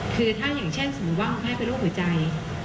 คือถ้าอย่างเช่นสมมุติว่าคุณแม่เป็นโรคหัวใจ